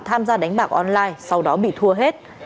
tham gia đánh bạc online sau đó bị thua hết